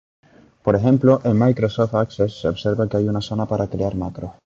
Por ejemplo, en Microsoft Access se observa que hay una zona para crear macros.